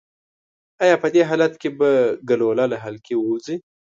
ایا په دې حالت کې به ګلوله له حلقې ووځي؟